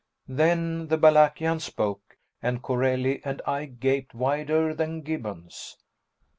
Then the Balakian spoke, and Corelli and I gaped wider than Gibbons.